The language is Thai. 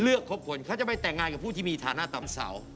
ครบคนเขาจะไปแต่งงานกับผู้ที่มีฐานะตามเสา